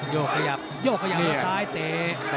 โยะขยับโย่ะขยับมาซ้ายเตะ